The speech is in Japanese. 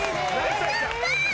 よかった！